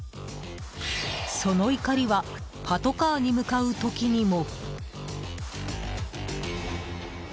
その怒りはパトカーに向かう時にも。